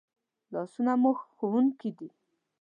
لاسونه مو ښوونکي دي